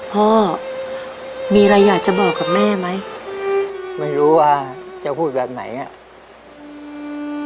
พ่อมีอะไรอยากจะบอกกับแม่ไหมไม่รู้ว่าจะพูดแบบไหนอ่ะ